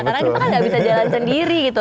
karena kita kan gak bisa jalan sendiri gitu